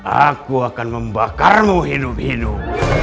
aku akan membakarmu hidup hidup